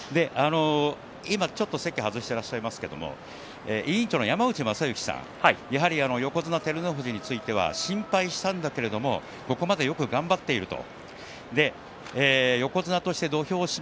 今ちょっと席を外していますが委員長の山内昌之さんやはり横綱照ノ富士については心配したんだけれどもここまでよく頑張っていると。